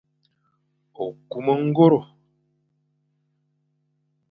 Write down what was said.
Okum ongoro.